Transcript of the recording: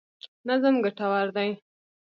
نظم ګټور دی.